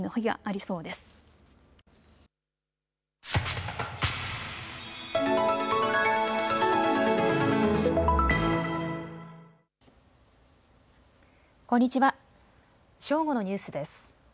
正午のニュースです。